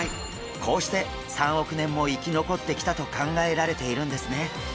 こうして３億年も生き残ってきたと考えられているんですね。